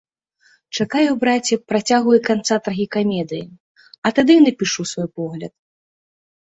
Чакаю, браце, працягу і канца трагікамедыі, а тады і напішу свой погляд.